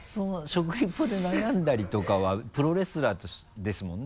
食リポで悩んだりとかはプロレスラーですもんね。